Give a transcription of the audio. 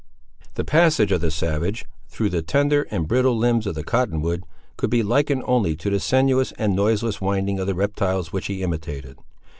The passage of the savage, through the tender and brittle limbs of the cotton wood, could be likened only to the sinuous and noiseless winding of the reptiles which he imitated.